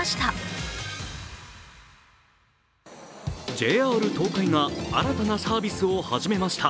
ＪＲ東海が新たなサービスを始めました。